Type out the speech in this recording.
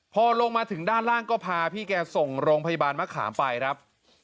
พอลงมาถึงด้านล่างก็พาพี่แกส่งโรงพยาบาลมะขามไปครับ